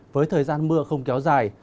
với thời gian mưa không kéo dài